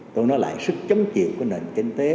tôi nói lại sức chống chịu của nền kinh tế